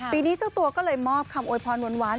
ปีนี้เจ้าตัวก็เลยมอบคำโวยพรหวาน